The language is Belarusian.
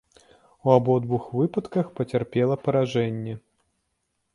У абодвух выпадках пацярпела паражэнне.